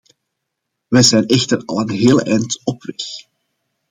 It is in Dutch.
We zijn echter al een heel eind op weg.